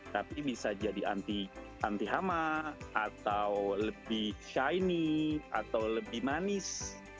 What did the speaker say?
tapi bisa jadi anti hama atau lebih shine atau lebih manis